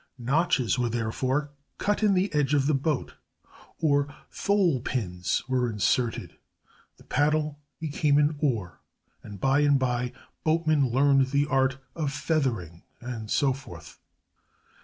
Notches were therefore cut in the edge of the boat, or thole pins were inserted, the paddle became an oar, and by and by boatmen learned the art of feathering, and so forth.